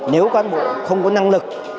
nếu cán bộ không có năng lực